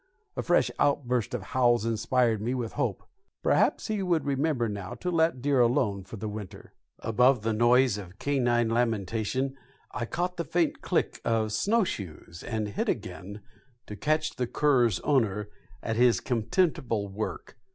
A fresh outburst of howls inspired me with hope. Perhaps he would remember now to let deer alone for the winter. Above the noise of canine lamentation I caught the faint click of snowshoes, and hid again to catch the cur's owner at his contemptible work.